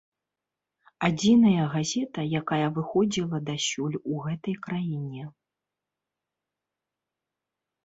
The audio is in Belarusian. Адзіная газета, якая выходзіла дасюль у гэтай краіне.